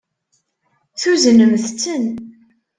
Tuznemt-ten?